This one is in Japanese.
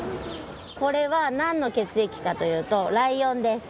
これはなんの血液かというとライオンです。